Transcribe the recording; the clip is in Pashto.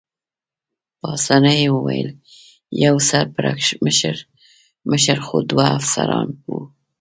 پاسیني وویل: یوه سر پړکمشر مشر خو دوه افسران وو.